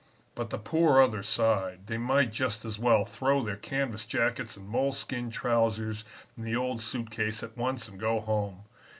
"But the poor other side they might just as well throw their canvas jackets and mole skin trousers in the old suit case at once and go home.